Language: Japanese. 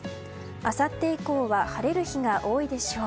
あさって以降は晴れる日が多いでしょう。